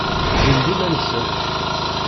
Wwin-d iman-nsen.